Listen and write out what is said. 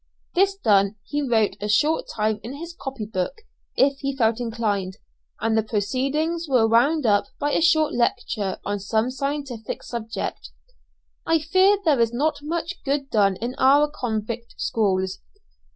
This done, he wrote a short time in his copy book, if he felt inclined, and the proceedings were wound up by a short lecture on some scientific subject. I fear there is not much good done in our convict schools.